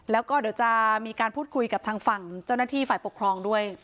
แล้วก็เดี๋ยวจะมีการพูดคุยกับทางฝั่งเจ้าหน้าที่ฝ่ายปกครองด้วย